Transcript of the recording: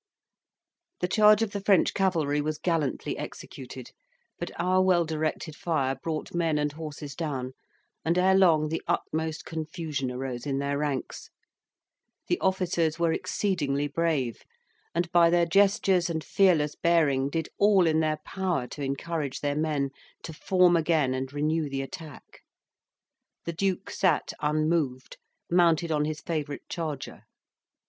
The charge of the French cavalry was gallantly executed; but our well directed fire brought men and horses down, and ere long the utmost confusion arose in their ranks. The officers were exceedingly brave, and by their gestures and fearless bearing did all in their power to encourage their men to form again and renew the attack. The duke sat unmoved, mounted on his favourite charger.